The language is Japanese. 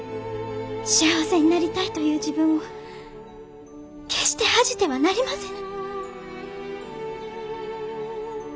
幸せになりたいという自分を決して恥じてはなりませぬ。